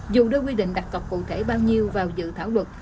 dù đưa quy định đặt cọc cụ thể bao nhiêu vào dự thảo luật